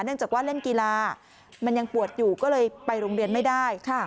จากว่าเล่นกีฬามันยังปวดอยู่ก็เลยไปโรงเรียนไม่ได้